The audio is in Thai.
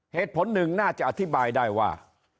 เหตุผลหนึ่งน่าจะอธิบายได้ว่า